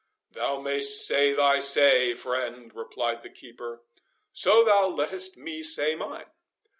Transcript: "Thou mayst say thy say, friend," replied the keeper, "so thou lettest me say mine.